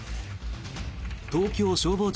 東京消防庁